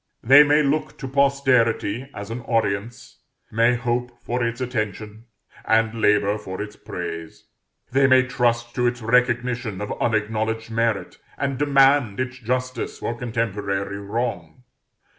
They may look to posterity as an audience, may hope for its attention, and labor for its praise: they may trust to its recognition of unacknowledged merit, and demand its justice for contemporary wrong.